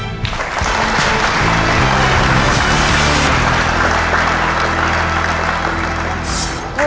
ขอบคุณครับ